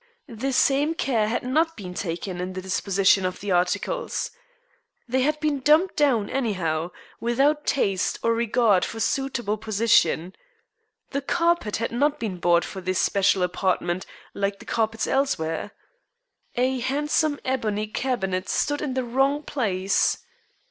The same care had not been taken in the disposition of the articles. They had been dumped down anyhow, without taste or regard for suitable position. The carpet had not been bought for this special apartment like the carpets elsewhere. A handsome ebony cabinet stood in the wrong place.